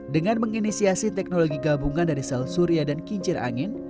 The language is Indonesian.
dengan menginisiasi teknologi gabungan dari sel surya dan kincir angin